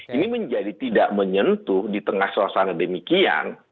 ini menjadi tidak menyentuh di tengah suasana demikian